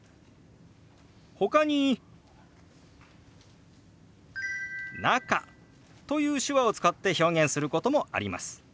ほかに「中」という手話を使って表現することもあります。